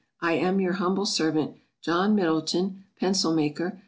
I am, your humble servant, JOHN MIDDLETON, Pencil maker.